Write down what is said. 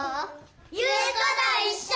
いうこといっしょ！